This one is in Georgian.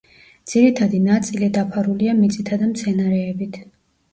ძირითადი ნაწილი დაფარულია მიწითა და მცენარეებით.